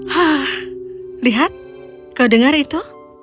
hah lihat kau dengar itu